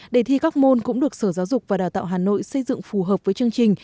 để thi các môn cũng được sở giáo dục và đào tạo hà nội xây dựng phù hợp với chương trình